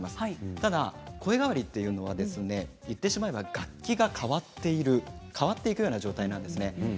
ただ声変わりというのは言ってしまえば楽器が変わっていくような状態なんですね。